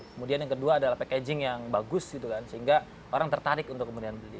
kemudian yang kedua adalah packaging yang bagus gitu kan sehingga orang tertarik untuk kemudian beli